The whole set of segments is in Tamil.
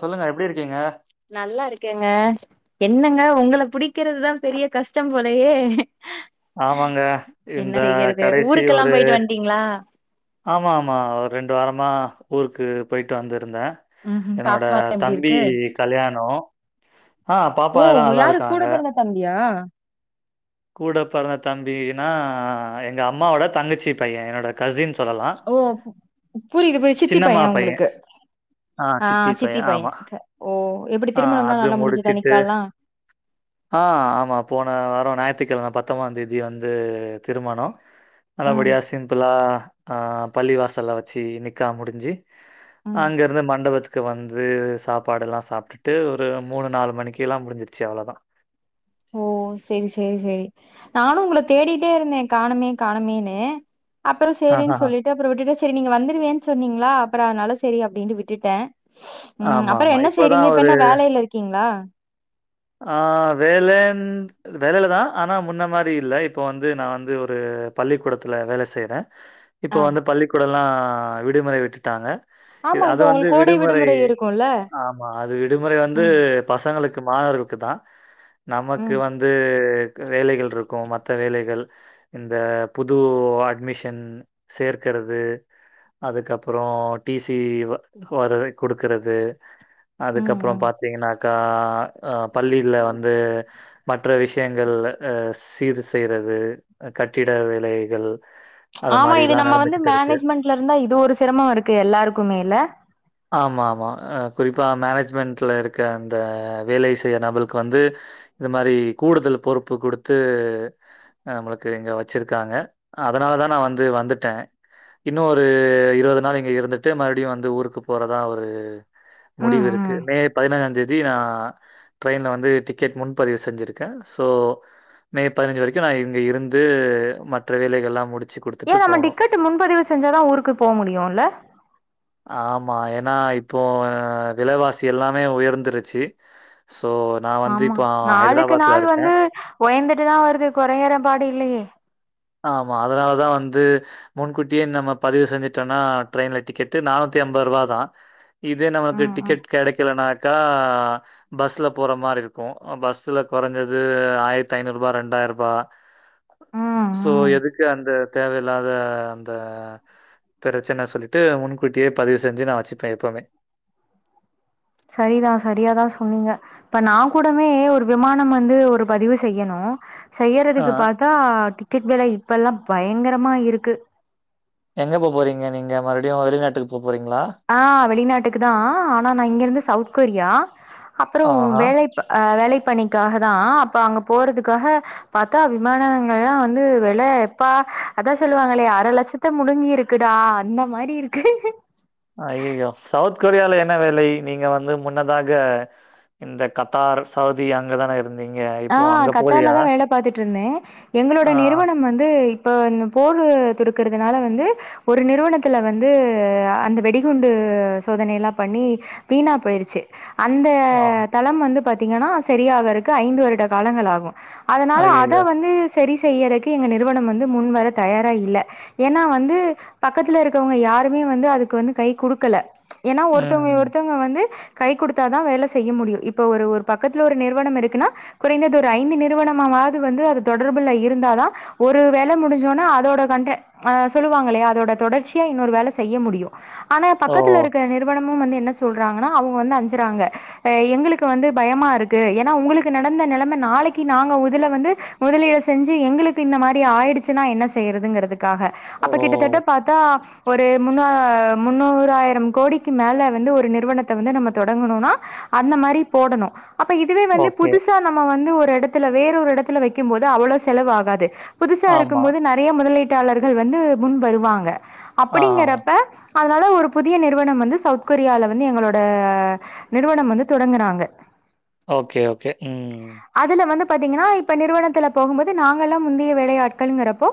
சொல்லுங்க எப்டி இருக் நல்லா இருக்கேங்க என்னங்க உங்கள புடிக்கிறதுதா பெரிய கஷ்டம் போலையே ஆமாங்க இந்த செய்யறது கடைசி ஊருக்கெல்லா ஒரு போயிட்டு வந்ட்டீங்களா ஆமாம் ம்மா ஒரு ரெண்டு வாரமா ஊருக்கு போய்ட்டு வந்துருந்தே ம்ஹூம் என்னோட பாப்பாலா எப்டி தம்பி இருக்கு கல்யாணோ ஆ பாப்பா ஓ எல்லா நல்லா யாரு கூட இருக்காங்க பொறந்த தம்பியா கூட பிறந்த தம்பினா எங்க அம்மாவோட தங்கச்சி பைய என்னோட கசின் சொல்லலா ஓ புரியுது புரி சித்தி பைய உங்களுக்கு ஆ சித்தி பைய ஓ எப்டி ஆ திருமணம்லா அது நல்லா முடிஞ்சுதா முடிச்சுட்டு நிக்கால்லா ஆ ஆமா போன வாரோ போன ஞாயித்தி கிழம பத்தபோதா தேதி வந்து திருமணோ ம் நல்லபடியா சிம்பிளா ஆ பள்ளி வாசல வச்சு நிக்கா முடிஞ்சி ம் அங்க இருந்து மண்டபத்துக் க்கு வந்து சாப்பாடுல்லா சாப்பிட்டுட்டு ட்டு ஒரு மூணு நாலு மணிக்கு எல்லா முடிஞ்சிருச்சு அவ்ளோதா ஓ செரி செரி செரி நானு உங்கள தேடிட்டே இருந்தே காணமே காணமேன்னு அப்புறோ ஆஹஹா. செரின்னு சொல்லிட்டு அப்புறம் விட்டு செரி நீங்க வந்துருவேன்னு சொன்னீங்களா அப்புறோ அதனால செரி அப்படின்னு விட்டுட்டே ம் ஆமா, அப்புற ஆமா. என்ன செய்றீங்க இப்பதான் இப்ப ஒரு என்ன வேலையில இருக்கீங்களா ஆ வேல வேலைையிலதா ஆனா முன்ன மாரி இல்ல இப்போ வந்து நா வந்து ஒரு பள்ளிக்கூடத்துல வேல செய்றே இப்ப ஆ வந்து பள்ளிக்கூடல்லா ஆ விடுமுறை விட்டுட்டாங்க ஆமா அது இப்ப வந்து உங்களுக்கு கோடை விடுமுறை இருக்குல்ல ஆமா அது விடுமுறை வந்து ம் பசங்களுக் க்குமா இருக்கு இருக்குதா நமக்கு ம் வந்து நமக்கு வேலைகள் இருக்கு மற்ற வேலைகள் இந்த புது அட்மிஷன் சேர்க்கிறது அதுக்கப்புறோ டி சி வர கொடுக்கறது ம் அதுக்கப்புறோ ம் பாத்தீங்கன்னாக்கா ஆ பள்ளியில வந்து மற்ற விஷ் க்கியங்கள சீர் செய்றது கட்டிட வேலைகள் அது ஆமா இது மாரிலா நம்ம வந்து நடந்துகிட்டு இருக்கு மேனேஜ்மெண்ட்ல இருந்தா இது ஒரு சிரமம இருக்கு எல்லாருக்குமேல ஆமா ஆமா குறிப்பா மேனேஜ்மெண்ட்ல இருக்க அந்த வேலைஸ் செய்ய நபளுக்கு வந்து இது மாரி கூடுதல் பொறுப்பு குடுத்து நம்மளுக்கு இங்க வச்சிருக்காங்க அதனாலதா நா வந்து வந்துட்டே இன்ரு இருபது நாள் இங்க இருந்துட்டு மறுபடியு வந்து ஊருக்கு போறதா ஒரு ம் முடிவு இருக்கு ம் மே பதினஞ்சா தேதி நா ட்ரெயினல வந்து டிக்கெட் முன்பதிவு செஞ்சுருக்கே சோ மே பதினஞ்சி வரைக்கு நா இங்க இருந்து மற்ற வேலைகள்லாம் முடிச்சு ஏ குடுத்துட்டு நம்ம போணும். டிக்கெட் முன்பதிவு செஞ்சாதா ஊருக்கு போக முடியுல ஆமா ஏன்னா இப்போ விலவாசி எல்லாமே உயர்ந்துருச்சி ஆமா நாளுக்கு நாள் இருக்கேன். வந்து உயர்ந்துட்டுதா வருது குறைங்கர பாடு இல்லையே ஆமா அதனாலதா வந்து முன்கூட்டியே நம்ம பதிவு செஞ்சுட்டோனா ட்ரெயின்ல டிக்கெட்டு நானூத்தி ஐம்வது ரூவா தா இதே நமக்கு ம் ம் டிக்கெட் கெடைகலனாக் க்கா பஸ்ல போற மாரி இருக்கு பஸ்ல கொறஞ்சது ஆயிரத்தி ஐநூறு ரூபா ரெண்டாயிர ரூபா ஆ சோ எதுக்கு அந்த தேவயில்லாத அந் த பிரச்சன சொல்லிட்டு முன்கூட்டியே பதிவு செஞ்சி நா வச்சுப்பே எப்பவுமே சரிதா சரியாதா சொன்னீங்க இப்ப நா கூடமே ஒரு விமானம் வந்து ஒரு பதிவு செய்யணு ஆ செய்யறதுக்கு பாத்தா டிக்கெட் வில இப்பல்லா பயங்கர த்தமா இருக் எங்க போ போறீங்க நீங்க மறுபிடியு வெளிநாட்டுக்கு போ போறீங்களா? ஆ வெளிநாட்டுக்கு தா ஆனா நா இங்கிருந்து சவுத் கொரியா அப்புறோ ஆஹா! வேலைப் வேலைப் பணிக்காக தா அப்ப அங்க போறதுக்காக பத்தா விமானங்கல்லா வந்து வில ப்பா அதா சொல்லுவாங்களயே அரை லட்சத்த முடுங்கி இருக்குடா அந்த மாரி இருக்கு அய்அய்யோ சவுத் கொரியால என்ன வேல நீங்க வந்து முன்னதாக இந்த கத்தார் சவுதி அங்கதான இருந் ஆ கத்தார்லதா வேல பாத்துட்டு இருந்தேன் எங்களோட ஆ, நிறுவனம் வந்து இப்போ இந்த போர் துடுக்கறிறதுனால வந்து ஒரு நிறுவனத்துல வந்து அந்த வெடிகுண்டு சோதனைல்லா பண்ணி வீணா போயிருச்சி அந்த ஆ. தளம் வந்து பாத்தீங்கன்னா சரியாகரக்கு ஐந்து வரு ட காலங்கள் ஆகு அதனால அத ஐயய்யோ! வந்து செரி செய்யறதுக்கு எங்க நிறுவனம் வந்து முன் வர தயாரா இல்ல ஏன்னா வந்து பக்கத்துல இருக்கவங்க யாருமே வந்து அதுக்கு வந்து கை குடுக்கல ஏன்னா ம். ஒருத்தங்க ஒருத்தவங்க வந்து கை குடுத்தாதா வேல செய்ய முடியு இப்ப ஒரு ஒரு பக்கத்துல ஒரு நிறுவனம் இருக்குன்னா குறைந்தது ஒரு ஐந்து நிறுவனமாவது வந்து அது தொடர்புல இருந்தாதா ஒரு வேல முடிஞ்சோனா அதோட கண்ட ஆ சொல்லுவாங்கல்லையா அதோட தொடர்ச்சியா இன்னொரு வேல செய்ய முடியு ஆனா ஓ! பக்கத்துல இருக்க நிறுவனம் ம்மு வந்து என்ன சொல்றாங்கன்னா அவங்க வந்து அஞ்சுறாங்க எங்களுக்கு வந்து பயமா இருக்கு ஏன்னா உங்களுக்குன்ன நடந்த நிலைம நாளைக்கு நாங்கல வந்து முதலீடு செஞ்சி எங்களுக்கு இந்த மாரி ஆயிடுச்சுன்னா என்ன செய்யறதுங்கிறது க்காக அப்ப ஓ! கிட்டத்தட்ட பாத்தா ஒரு முன்னா முன்னூறாயிரம் கோடிக்கு மேல வந்து ஒரு நிறுவனத்த வந்து நம்ம தொடங்கணுனா அந்த மாரி போடணு அப்ப இதுவே வந்து ஓகே. புதுசா நம்ம வந்து ஒர் எடத்ல வேற ஒரு எடத்ல வெக்கு போது அவ்ள செலவு ஆகாது புதுசா ஆமா. இருக்கும் போது நெறய முதலீட்டு டாளர்கள் வந்து முன் வருவாங்க ஆ அப்படிங்கறப்ப அதனால ஒரு புதிய நிறுவனம் வந்து சவுத் கொரியால வந்து எங்களோட நிறுவனம் வந்து தொடங்குறாங்க ஓகே ஓகே கே உம் பாத்தீங்கனா இப்ப நிறுவனத்துல போகும் போது நாங்க எல்லாம் முந்தைய வேளையாட்கள்ங்கிறப்போ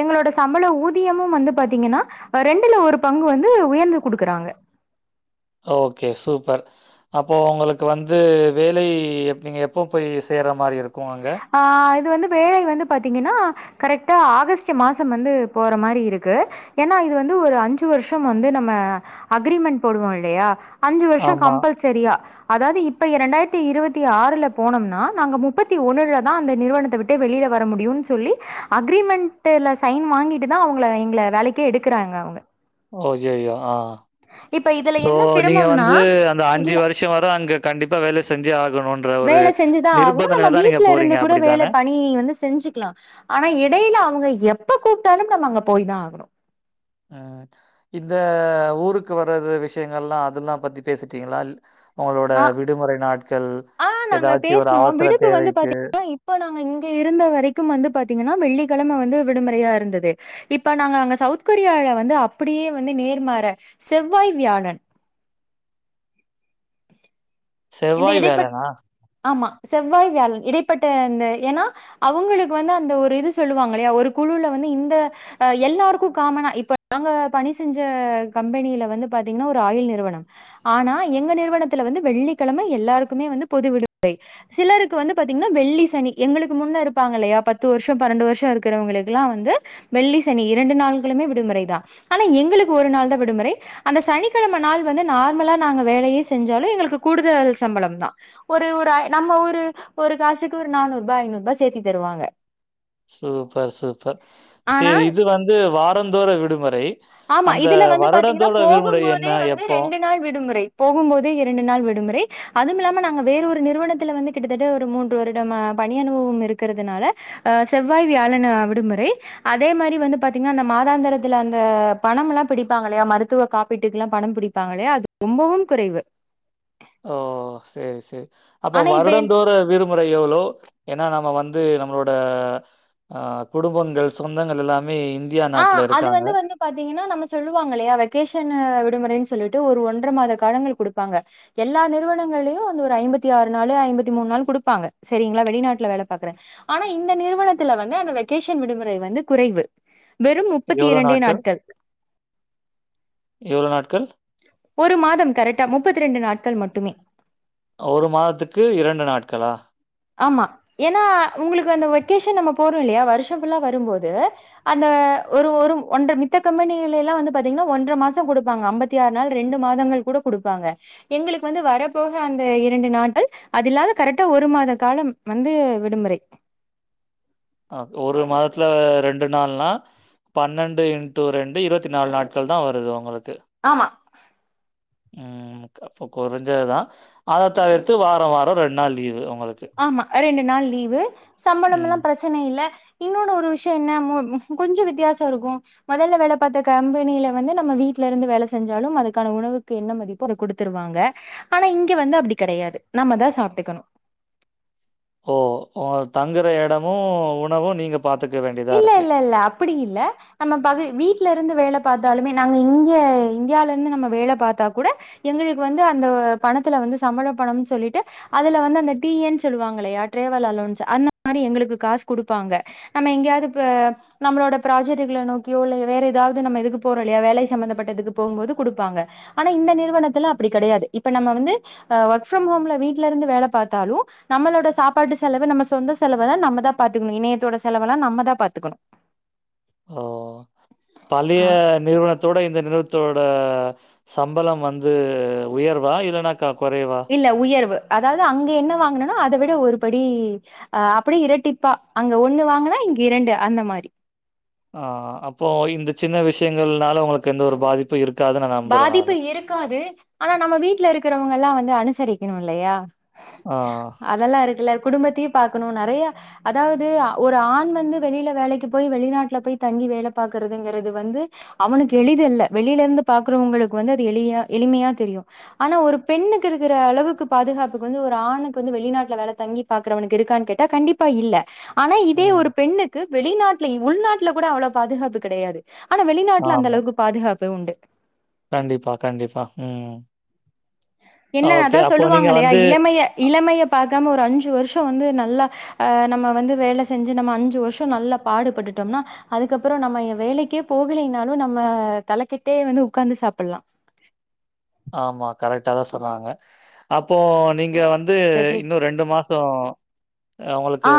எங்களோட சம்பள ஊதியமும் வந்து பாத்தீங்கனா ரெண்டுல ஒரு பங்கு வந்து உயர்ந்து குடுக்குறாங்க ஓகே சூப்பர் அப்போ உங்களுக்கு வந்து வேலை நீங்க எப்போ போய் செய்ற மாரி இருக்கும் அங்க? ஆ இது வந்து வேலை வந்து பாத்தீங்கன்னா கரெக்டா ஆகஸ்டு மாசம் வந்து போற மாரி இருக்கு ஏன்னா இது வந்து ஒரு அஞ்சு வருஷம் வந்து நம்ம அக்ரிமெண்ட் போடுவோம் இல்லையா அஞ்சு வருஷம் ஆமா. கம்பல்சரியா அதாவது இப்ப இரண்டாயிரத்தி இருபத்தி ஆறுல போனோம்னா நாங்க முப்பத்தி ஒன்னுல தா அந்த நிறுவனத்த விட்டே வெளியில வர முடியுன் சொல்லி அக்ரிமெண்ட்டுல சைன் வாங்கிட்டு தா அவுங்கள எங்கள வேலைக்கே எடுக்குறாங்க அவுங்க ஓகே ஓகே ஆ இப்ப இதுல சோ என்ன நீங்க சிரமம்னா, வந்து அந்த இதுல அஞ்சு வருஷ வர அங்க கண்டிப்பா வேல செஞ்சே ஆகணூன்ற ஒரு வேல செஞ்சுதா நிர்ப ஆகணு நம்ம வீட்ல இருந்து கூட வேல பணி வந்து செஞ்சுக்கலா ஆனா எடைல அவுங்க எப்ப கூப்ட்டாலும் நம்ம அங்க போய் தா ஆகணு உம் இந்த ஊருக்கு வர்றது விஷயங்கள் எல்லா அதெல்லா பத்தி பேசிட்டீங்களா உங்களோட அ விடுமுறை நாட்கள், ஆ நாங்க ஏதாச்சும் ஒரு பேசுனோ அவசர விடுப்பு வந்து தேவைக்கு பாத்தீங்கனா இப்ப நாங்க இங்க இருந்த வரைக்கு வந்து பாத்தீங்கனா வெள்ளி கெழம வந்து விடுமுறையா இருந்தது இப்ப நாங்க அங்க சவுத் கொரியால வந்து அப்டியே வந்து நேர்மாற செவ்வாய் வியாழன் இந்த செவ்வாய் இடைப்பட்ட வியாழனா ஆமா செவ்வாய் வியாழன் இடைப்பட்ட இந்த ஏன்னா அவுங்களுக்கு வந்து அந்த ஒரு இது சொல்லுவாங்க இல்லயா ஒரு குழுல வந்து இந்த எல்லாருக்கு காமனா இப்ப நாங்க பணி செஞ்ச கம்பெனியில வந்து பாத்தீங்கனா ஒரு ஆயில் நிறுவனம் ஆனா எங்க நிறுவனத்ல வந்து வெள்ளி கெழம எல்லாருக்குமே வந்து பொதுவிடுமுறை சிலருக்கு வந்து பாத்தீங்னா வெள்ளி சனி எங்களுக்கு முன்ன இருப்பாங்க இல்லையா பத்து வருஷோ பண்ணென்டு வருஷோ இருக்றவங்களுக்கு வெள்ளி சனி இரண்டு நாள்களுமே விடுமுறை தா ஆனா எங்களுக்கு ஒரு நாள் தா விடுமுறை அந்த சனிக்கெழம நாள் வந்து நார்லா நாங்க வேலயே செஞ்சாலு எங்களுக்கு கூடுதல் சம்பளம் தா ஒரு ஒரு நம்ம ஒரு ஒரு காசுக்கு ஒரு நானூறு ரூபா ஐநூறு ரூபா சேத்தி தருவாங்க சூப்பர் சூப்பர் ஆனா செரி இது வந்து வாரந்தோறு விடுமுறை ஆமா அந்த இதுல வந்து பாத்தீங்கனா வருடந்தோட போகும் விடுமுறை என்ன போதே வந்து எப்போ? ரெண்டு நாள் விடுமுறை போகும் போதே இரண்டு நாள் விடுமுறை அதுவமில்லாம நாங்க வேற ஒரு நிறுவனத்துல வந்து கிட்டத்தட்ட ஒரு மூன்று வருடம்மா பணி அனுபவ இருக்குறதுனால அ செவ்வாய் வியாழன விடுமுறை அதே மாரி வந்து பாத்தீங்னா அந்த மாதாந்திரத்துல அந்த வ பண‌முல்லா பிடிப்பாங்கல்லயா மருத்துவ காப்பீட்டுக்லா பணம் பிடிப்பாங்கலயா அது ரொம்பவும் குறைவு ஓ சேரி சேரி அப்ப ஆனா இப்ப என் வருடந்தோறு விடுமுறை எவ்ளோ ஏனா நம்ம வந் து நம்மளோட அ குடும்பங்கள் சொந்தங்கள் எல்லா ஆ அது வந்து வந்து பாத்தீங்கன்னா நம்ம சொல்லுவாங்கல்லயா வெக்கேஷனு விடுமுறை சொல்லிட்டு ஒரு ஒன்ற மாத காலங்கள் குடுப்பாங்க எல்லா நிறுவனங்கள்லயு வந்து ஒரு ஐம்பத்திஆறு நாளு ஐம்பத்திமூணு நாளு குடுப்பாங்க சரிங்ளா வெளிநாட்ல வேல பாக்குற ஆனா இந்த நிறுவனத்துல வந்து அந்த வெக்கேஷன் விடுமுறை வந்து குறைவு வெறும் முப்பத்தி இரண்டே நாட்கள் எவ்ளோ நாட்கள் ஒரு மாதம் கரெக்டா முப்பத்திரெண்டு நாட்கள் மட்டுமே ஒரு மாதத்துக்கு இரண்டு நாட்களா ஆமா ஏன்னா உங்ளுக்கு அந்த வெக்கேஷன் நம்ம போறோல்லயா வருஷ ஃபுல்லா வரும்போது அந்த ஒரு ஒரு ஒன்ற மித்த கம்பெனிகளெல்லா வந்து பாத்தீங்னா ஒன்ற மாச குடுப்பாங்க அம்பத்தி ஆறு நாள் ரெண்டு மாதங்கள் கூட குடுப்பாங்க எங்களுக்கு வந்து வரப்போக அந்த இரண்டு நாட்கள் அது இல்லாது கரெக்டா ஒரு மாத காலம் வந்து விடுமுறை அ ஒரு மாதத்துல ரெண்டு நாள்னா பன்னெண்டு இன்டூ ரெண்டு இருவத்திநாலு நாட்கள் தா வருது ஒங்களு ஆமா ம் அப்ப கொறஞ்சதுதா அத தவிர்த்து வாரவார ரெண் நாள் லீவு ஒ ஆமா ரெண்டு நாள் லீவு ம். சம்பளமுலா பிரச்சன இல்ல இன்னொன்னு ஒரு விஷ்யொ என்ன மு கொஞ்ச வித்யாசொ இருக்கு மொதல்ல வேல பாத்த கம்பெனியில வந்து நம்ம வீட்லருந்து வேல செஞ்சாலும் அதுக்கான உணவுக்கு என்ன மதிப்போ அத குடுத்துருவாங்க ஆனா இங்க வந்து அப்டி கெடையாது நம்மதா சாப்டுக்கணு ஓ ஒங்க தங்குற எடமு உணவு நீங்க பார்த்துக்க வேண்டியதா இருக்கு. இல்லெல்ல இல்ல அப்புடி இல்ல நம்ம பக வீட்ல ருந்து வேல பாத்தாலுமே நாங்க இங்க இந்தியாலெந்து நம்ம வேல பாத்தா கூட எங்களுக்கு வந்து அந்த பணத்துல வந்து சம்பள பணம் சொல்லிட்டு அதுல வந்து அந்த டி என் சொல்லுவாங்கலயா ட்ராவல் அலொவ்ன்சு அந்த மாரி எங்களுக்கு காசு குடுப்பாங்க நம்ம எங்யா துப்ப நம்மளோட ப்ராஜெட்டுகள நோக்கியோ இல்ல வேற எதாவ்து நம்ம இதுக்கு போறோல்லயா வேலை சம்மந்தப்பட்ட இதுக்கு போம்போது குடுப்பாங்க ஆனா இந்த நிறுவனத்துல அப்டி கெடையாது இப்ப நம்ம வந்து ஒர்க் ஃப்ரம் ஹோம்ல வீட்லருந்து வேல பாத்தாலு நம்மளோட சாப்பாட்டு செலவு நம்ம சொந்த செலவ தா நம்ம தா பாத்துக்கணு இணையத்தோட செலவுலா நம்ம தா பாத்துக்கணு ஓ! பழைய நிறுவனத்தோட இந்த நிறுவ னத்தோட சம்பளம் வந்து உயர்வா இல்லனா இல்ல உயர்வு அதாவுது அங்க என்ன வாங்குனனோ அத விட ஒரு படி அ அப்புடி இரட்டிப்பா அங்க ஒன்னு வாங்குனா இங்க இரண்டு அந்த மாரி ஆ அப்போ இந்த சின்ன விஷயங்கள்னால உங்ளுக்கு எந்த ஒரு பாதிப்பு இருக் பாதிப்பு இருக்காது ஆனா நம்ம வீட்ல இருக்குறவுங்கல்லா வந் து அனுசரிக்கணுல்லயா ஆ. அதெல்லா இருக்குல்ல குடும்பத்தையு பாக்கணு நெறைய அதாவுது ஒரு ஆண் வந்து வெளில வேலைக்கு போய் வெளிநாட்ல போய் தங்கி வேல பாக்குறதுங்குறது வந்து அவனுக்கு எளிதல்ல வெளிலருந்து பாக்குறவுங்களுக்கு வந்து அது எளிய எளிமையா தெரியு ஆனா ஒரு பெண்ணுக்கு இருக்குற அளவுக்கு பாதுகாப்புக்கு வந்து ஒரு ஆணுக்கு வந்து வெளிநாட்ல வேல தங்கி பாக்குறவனுக்கு இருக்கான் கேட்டா கண்டிப்பா இல்ல ஆனா இதே ம். ஒரு பெண்ணுக்கு வெளிநாட்ல உள்நாட்ல கூட அவ்ளோ பாதுகாப்பு கெடயாது ஆனா வெளிநாட்டுல அந்த ஆமா. அளவுக்கு பாதுகாப் பு உண்டு கண்டிப்பா கண்டிப்பா ம் என்ன ஓகே. அதா அப்போ சொல்லுவாங்களே நீங்க இல்லையா வந்து இளமைய இளமைய பாத் க்காம ஒரு அஞ்சு வருஷோ வந்து நல்லா அஹ நம்ம வந்து வேல செஞ்சு நம்ம அஞ்சு வருஷோ நல்லா பாடுபட்டுட்டோம்னா அதுக்கப்புறோ நம்ம வேலைக்கே போகலைனாலு நம்ம தலைக்கெட்டே வந்து உக்காந்து சாப்புல்லா ஆமா கரெக்டாதா சொன்னாங்க அப்போ நீங்க வந் து இன்னு ரெண்டு மாஸ் தோ ஆ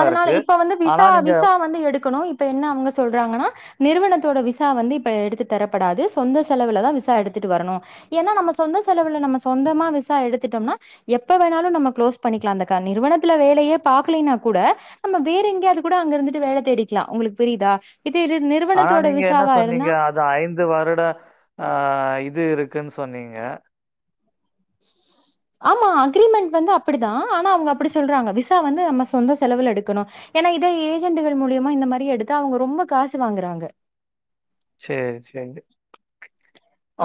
அதனால இப்ப வந்து ஆனா விசா நீங்க விசா வந்து எடுக்கணு இப் இப்ப என்ன அவுங்க சொல்றாங்கன்னா நிறுவனத்தோட விசா வந்து இப்ப எடுத்து தரப்படாது சொந்த செலவுலதா விசா எடுத்துட்டு வரணு ஏன்னா நம்ம சொந்த செலவுல நம்ம சொந்தமா விசா எடுத்துட்டோம்னா எப்ப வேணாலு நம்ம குளோஸ் பண்ணிக்கலா அந்த கண் நிறுவனத்துல வேல் லையே பாக்குலீன்னா கூட நம்ம வேற எங்கயாது கூட அங்க இருந்துட்டு வேல தேடிக்கலா உங்களுக்கு புரியுதா இது இரு- ஆனா நிறுவனத்தோட நீங்க என்ன விசாவா இருந்தா சொன்னீங்க அது ஐந்து வருடோ ஆ இத் இது இருக்குன் சொன்னீங்க ஆமா அக்ரிமெண்ட் வந்து அப்புடிதா ஆனா அவங்க அப்புடி சொல்றாங்க விசா வந்து நம்ம சொந்த செலவுல எடுக்கணு ஏன்னா இத ஏஜெண்டுகள் மூலியமா இந்த மாரி எடுத்தா அவுங்க ரொம்ப காசு வாங்குறாங்க சேரி சேரி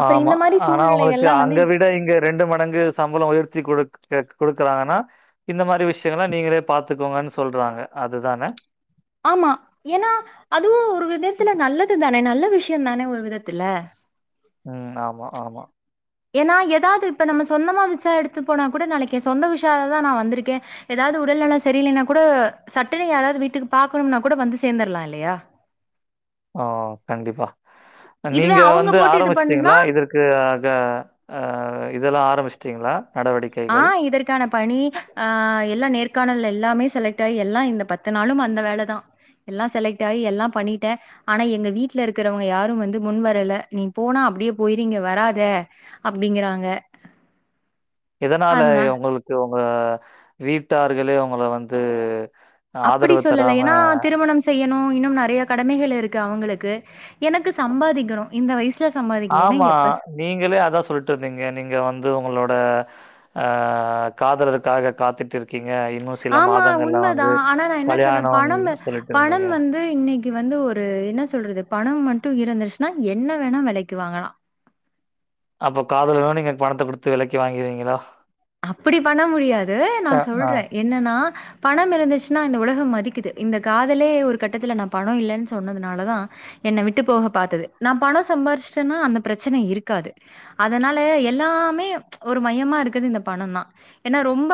அப்புறம் ஆமா இந்த மாரி ஆனா அவங்களுக்கு சூழ்நிலைகள்லாம் வந்து அங்க விட இங்க ரெண்டு மடங்கு சம்பளோ உயர்த்தி குடுக் செக் குடுக்குறாங்கன்னா இந்த மாரி விஷ்யங்கல்லா நீங்களே பாத்துக்கோங்கன்னு சொல்றாங்க அதுதான ஆமா ஏன்னா அதுவு ஒரு விதத்துல நல்லது தான நல்ல விஷயோந்தான ஒரு விதத்துல ம் ஆமா ஆமா ஏன்னா ஏதாவது இப்ப நம்ம சொந்தமா விசா எடுத்து போனா கூட நாளைக்கே சொந்த விஷாதா நா வந்துருக்கே ஏதாவது உடல் நலோ சரியில்லைன்னா கூட சட்டுனு யாராவது வீட்டுக்கு பாக்கணும்னா கூட வந்து சேந்தர்லா இல்லையா ஓ கண்டிப்பா இதுவே நீங்க அவங்க வந்து போட்டு இது பண்ணா ஆரம்பிச்சிட்டீங்களா இதற்கு அது அ இத் இதெல்லா ஆரம்பிச்சுட்டிங்களா ஆ இதற்கான பணி ஆ எல்லா நேர்காணல் எல்லாமே செலக்ட் ஆகி எல்லா இந்த பத்து நாளும் அந்த வேலதா எல்லா செலக்ட் ஆகி எல்லாம் பண்ணிட்ட ஆனா எங்க வீட்ல இருக்குறவங்க யாரும் வந்து முன் வரல நீ போனா அப்புடியே போயிரு இங்க வராத அப்புடிங்கிறாங்க எதனாலய உங்களுக்கு ஓ வீட்டார்களே உங்கள வந்து அப்டி ஆதரவு சொல்லல தராம ஏன்னா திருமணம் செய்யணு இன்னும் நறைய கடமைகள் இருக் க் அவுங்களுக்கு எனக்கு சம்பாதிக்கணு இந்த வயஷ் ஆமா நீங்களே அதா சொல்லிட்டு இருந்தீங்க நீங்க வந்து உங்களோட ஆ காதலருக்காக காத்துட்டு இரு ஆமா உண்மதா ஆனா நா என்ன சொல்ல பணமு கல்யாணம்ன்னு சொல்லிட்டு பணம் இருந்தீங்க. வந்து இன்னைக்கு வந்து ஒரு என்ன சொல்றது பணம் மட்டு இருந்தது ஞ்சுனா என்ன வேணா வெலைக்கு வாங்கலா அப்போ காதலனு நீங்க பணத்த குடுத்து வெலைக்கி வாங்கிருவீங்களா அப்டி பண்ண முடியாது நா அ, ஆ. சொல்ற என்னன்னா பணம் இருந்துச்சுன்னா இந்த உலகம் மதிக்குது இந்த காதலே ஒரு கட்டத்துல நா பணோ இல்லன்னு சொன்னதுனாலதா என்ன விட்டு போக பாத்தது நா பணம் சம்பார்ச்சட்டேன்னா அந்த பிரச்சன இருக்காது அதனால எல்லாமே ஒரு மையமா இருக்குது இந்த பணதா ஏன்னா ரொம்ப